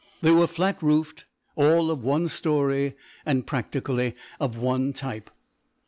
They were flat roofed, all of one storey and practically of one type.